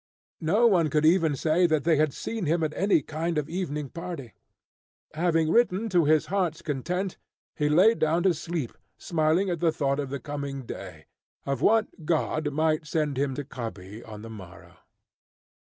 No one could even say that he had seen him at any kind of evening party. Having written to his heart's content, he lay down to sleep, smiling at the thought of the coming day of what God might send him to copy on the morrow.